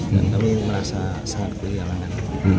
dan kami merasa sangat kehalangan